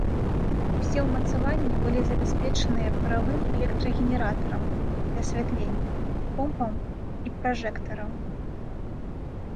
Усе ўмацаванні былі забяспечаныя паравым электрагенератарам для асвятлення, помпаў і пражэктараў.